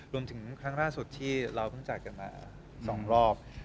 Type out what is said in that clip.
ครั้งล่าสุดที่เราเพิ่งจากกันมา๒รอบ